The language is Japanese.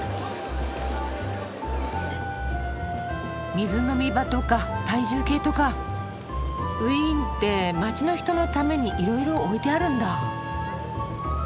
水飲み場とか体重計とかウィーンって街の人のためにいろいろ置いてあるんだ。